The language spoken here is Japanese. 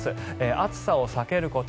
暑さを避けること